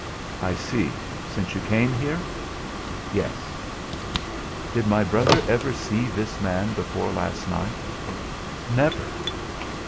"I see; since you came here." "Yes." "Did my brother ever see this man before last night?" "Never."